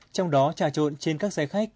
trong đó trà trộn trên các xe khách